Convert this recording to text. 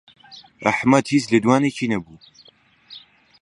ئەحمەد هیچ لێدوانێکی نەبوو.